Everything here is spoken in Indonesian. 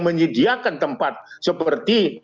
menyediakan tempat seperti